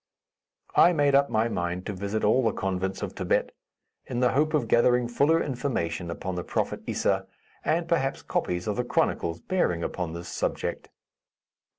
I made up my mind to visit all the convents of Thibet, in the hope of gathering fuller information upon the prophet Issa, and perhaps copies of the chronicles bearing upon this subject.